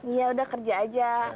iya udah kerja aja